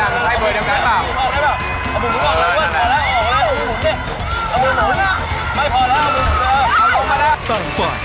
ไม่พอแล้วเอามือกันแล้ว